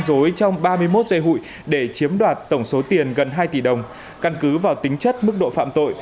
dối trong ba mươi một dây hụi để chiếm đoạt tổng số tiền gần hai tỷ đồng căn cứ vào tính chất mức độ phạm tội